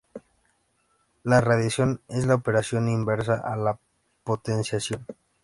La radicación es la operación inversa a la potenciación.